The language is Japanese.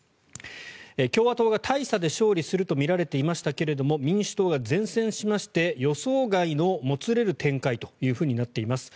共和党が大差で勝利するとみられていましたが民主党が善戦しまして予想外のもつれる展開となっています。